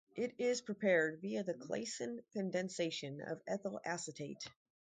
It is prepared via the Claisen condensation of ethyl acetate.